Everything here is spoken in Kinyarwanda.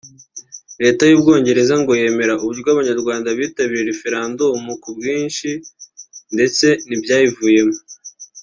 Leta y’u Bwogereza ngo yemera uburyo abanyarwanda bitabiriye Referandumu ku bwinshi ndetse n’ibyayivuyemo